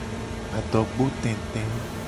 Adogbo tete.